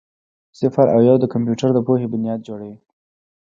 صفر او یو د کمپیوټر د پوهې بنیاد جوړوي.